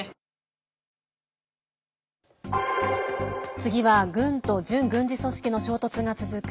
次は軍と準軍事組織の衝突が続く